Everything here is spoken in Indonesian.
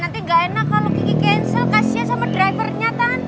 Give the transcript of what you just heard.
nanti gak enak kalau kiki cancel kasihan sama drivernya kan